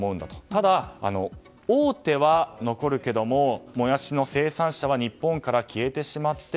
ただ、大手は残るけれどももやしの生産者は日本から消えてしまう。